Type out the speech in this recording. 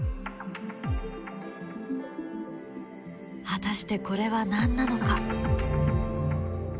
果たしてこれは何なのか？